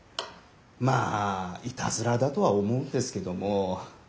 まあイタズラだとは思うんですけども。